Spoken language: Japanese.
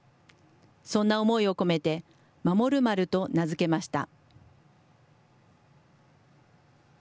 そんな思いを込めて、まもるまると名付けました。